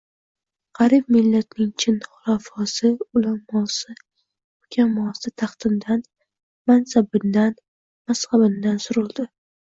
G’arib millatning chin xulafosi, ulamosi, hukamosi taxtindan, mansabindan mazhabindan suruldi